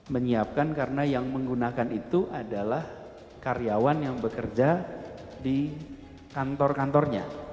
menyiapkan karena yang menggunakan itu adalah karyawan yang bekerja di kantor kantornya